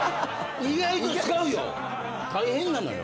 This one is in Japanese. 意外と使うよ！大変なのよ。